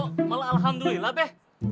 oh malah alhamdulillah be